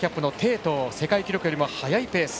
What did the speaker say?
世界記録よりも速いペース。